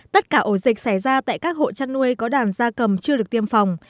tất cả ổ dịch xảy ra tại các hộ chăn nuôi có đàn gia cầm chưa được tiêm phòng